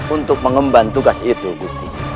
untuk mengemban tugas itu gusti